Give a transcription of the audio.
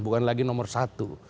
bukan lagi nomor satu